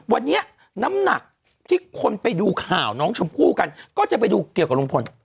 วันนี้น้ำหนักที่คนไปดูข่าวน้องชมพู่กันก็จะไปดูเกี่ยวกับลุงพล